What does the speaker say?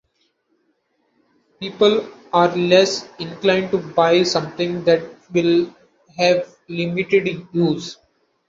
People are less inclined to buy something that will have limited use.